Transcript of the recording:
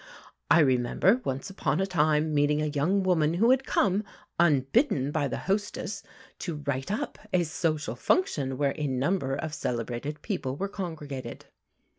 I remember once upon a time meeting a young woman who had come, unbidden by the hostess, to "write up" a social function where a number of celebrated people were congregated.